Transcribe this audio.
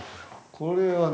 これはね